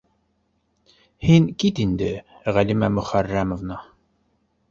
Һин кит инде, Ғәлимә Мөхәррәмовна.